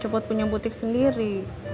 cepat punya butik sendiri